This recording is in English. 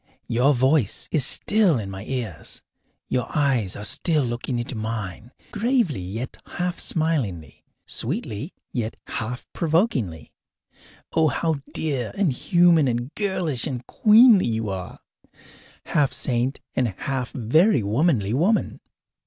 Your voice is still in my ears; your eyes are still looking into mine, gravely yet half smilingly, sweetly yet half provokingly. Oh, how dear and human and girlish and queenly you are half saint and half very womanly woman!